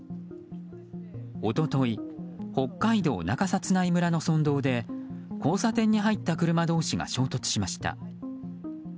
一昨日、北海道中札内村の村道で交差点に入った車同士が衝突しました。